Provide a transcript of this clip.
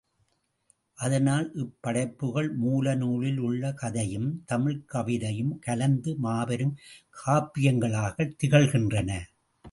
அதனால் இப் படைப்புகள் மூல நூலில் உள்ள கதையும், தமிழ்க் கவிதையும் கலந்து மாபெரும் காப்பியங்களாகத் திகழ் கின்றன.